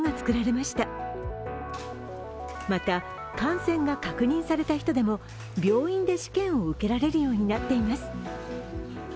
また、感染が確認された人でも病院で試験を受けられるようになっています。